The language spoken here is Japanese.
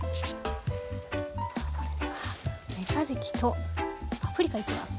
さあそれではめかじきとパプリカいきます。